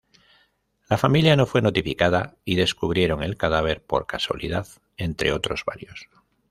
La familia no fue notificada y descubrieron el cadáver por casualidad entre otros varios.